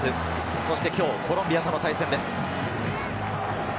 そして今日コロンビアとの対戦です。